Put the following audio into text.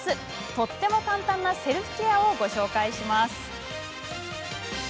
とっても簡単なセルフケアをご紹介します。